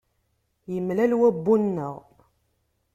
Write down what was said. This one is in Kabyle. Imlal wabbu-nneɣ.